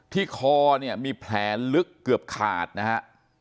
คอเนี่ยมีแผลลึกเกือบขาดนะฮะ